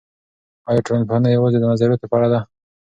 ایا ټولنپوهنه یوازې د نظریاتو په اړه ده؟